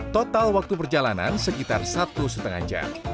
total waktu perjalanan sekitar satu lima jam